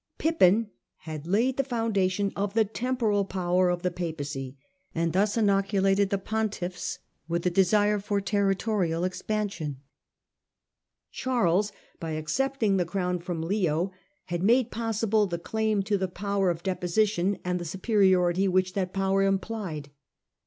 Pippin had laid the foundation of the temporal power of the Papacy and thus inocu lated the pontiffs with the desire for territorial expansion. Charles, by accepting the crown from Leo, had made 12 STUPOR MUNDI possible the claim to the power of deposition and the superiority which that power implied.